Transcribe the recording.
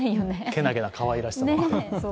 けなげなかわいらしさも。